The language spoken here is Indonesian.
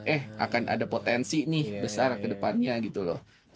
eh akan ada potensi nih besar kedepannya gitu loh